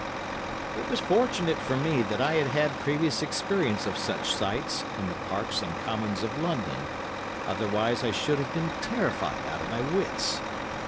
It was fortunate for me that I had had previous experience of such sights in the parks and commons of London, otherwise I should have been terrified out of my wits.